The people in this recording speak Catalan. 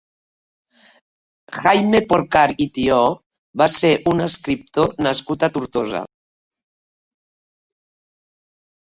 Jaime Porcar i Tió va ser un escriptor nascut a Tortosa.